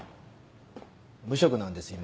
無職なんです今。